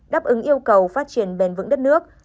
đáp ứng yêu cầu phát triển bền vững đất nước